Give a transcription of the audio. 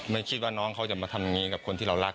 ไม่คิดว่าน้องเขาจะมาทำอย่างนี้กับคนที่เรารัก